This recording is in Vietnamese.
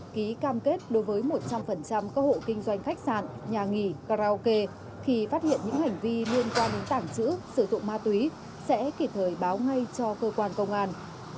ký cam kết đối với một trăm linh các hộ kinh doanh khách sạn nhà nghỉ karaoke khi phát hiện những hành vi liên quan đến tảng chữ sử dụng ma túy sẽ kịp thời báo ngay cho cơ quan công an